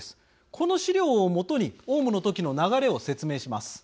この資料を基にオウムの時の流れを説明します。